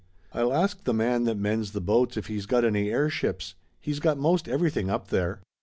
"I'll ask the man that mends the boats if he's got any air ships. He's got most everything up there."